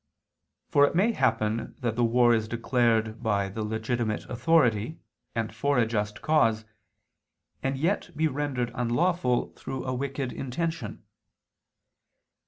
For it may happen that the war is declared by the legitimate authority, and for a just cause, and yet be rendered unlawful through a wicked intention.